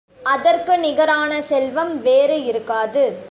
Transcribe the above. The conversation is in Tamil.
அதற்கு நிகரான செல்வம் வேறு இருக்காது.